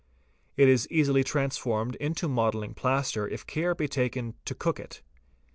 It is easily transformed into modelling plaster if care be taken to cook it.